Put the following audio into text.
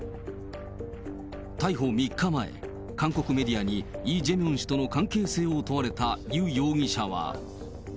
逮捕３日前、韓国メディアにイ・ジェミョン氏との関係性を問われたユ容疑者は。